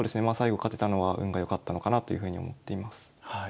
まあ最後勝てたのは運が良かったのかなというふうに思っています。